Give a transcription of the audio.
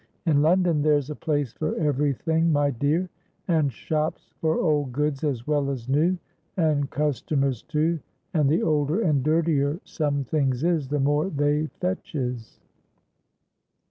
In London there's a place for every thing, my dear, and shops for old goods as well as new, and customers too; and the older and dirtier some things is, the more they fetches."